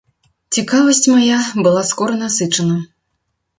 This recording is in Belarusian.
Цікавасць мая была скора насычана.